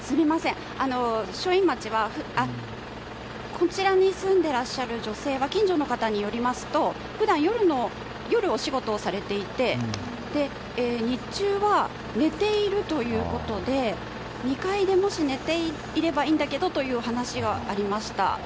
こちらに住んでいらっしゃる女性は近所の方によりますと普段夜お仕事をされていて日中は寝ているということで２階でもし寝ていればいいんだけどというお話がありました。